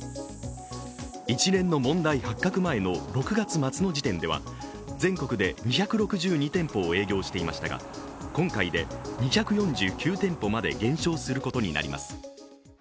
一連の問題発覚前の６月末の時点では、全国で２６２店舗を営業していましたが、今回で２４９店舗まで減少することになります。